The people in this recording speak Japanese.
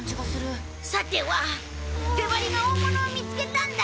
さては手針が大物を見つけたんだ！